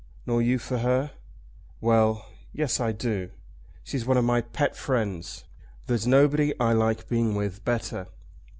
"Nor you for her?" "Well; Yes I do. She's one of my pet friends. There's nobody I like being with better."